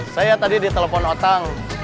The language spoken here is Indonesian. saya tadi ditelepon otang